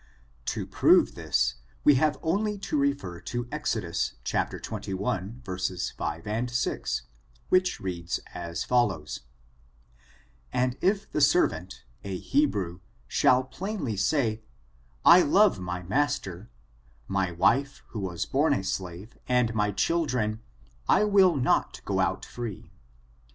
To prove this, we have only to refer to Exod. xxi, 6, 6, which reads as follows: "And if the servant [a Hebrew] shall plainly say, I love my master, my wife [who was bom a slave], and my children, I will not go out free.